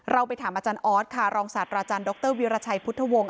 ไปถามอาจารย์ออสค่ะรองศาสตราจารย์ดรวิราชัยพุทธวงศ์